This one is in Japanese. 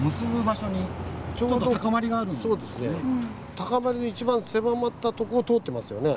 高まりの一番狭まったとこ通ってますよね。